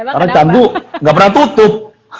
karena canggu nggak pernah tutup